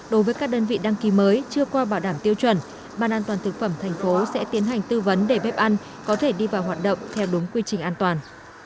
đối với các đơn vị đăng ký mới chưa qua bảo đảm tiêu chuẩn ban an toàn thực phẩm thành phố sẽ tiến hành tư vấn để bếp ăn có thể đi vào hoạt động theo đúng quy trình an toàn